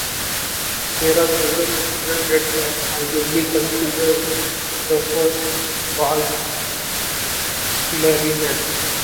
There are several instruments that can arguably be considered the first bass clarinet.